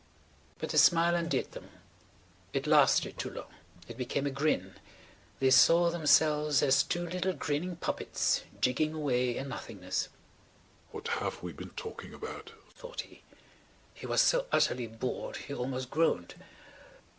But the smile undid them. It lasted too long; it became a grin. They saw themselves as two little grinning puppets jigging away in nothingness. "What have we been talking about?" thought he. He was so utterly bored he almost groaned.